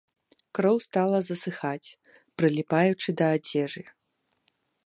Кроў стала засыхаць, прыліпаючы да адзежы.